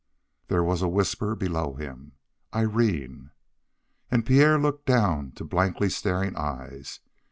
There was a whisper below him: "Irene!" And Pierre looked down to blankly staring eyes.